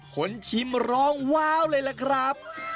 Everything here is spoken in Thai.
คนชิมร้องว้าวเลยล่ะครับ